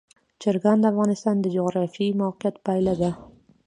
چرګان د افغانستان د جغرافیایي موقیعت پایله ده.